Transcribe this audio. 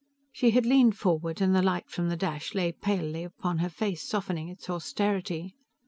She had leaned forward, and the light from the dash lay palely upon her face, softening its austerity.